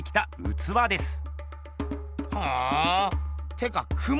てかクモ？